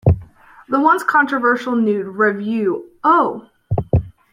The once controversial nude revue Oh!